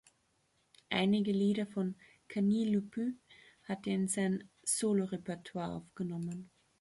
Einige Lieder von "Canis Lupus" hat er in sein Solo-Repertoire aufgenommen.